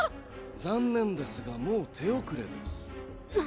残念ですがもう手遅れです。